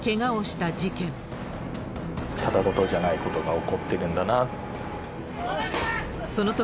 ただ事じゃないことが起こってるんだなと。